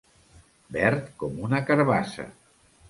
Verd com una carabassa.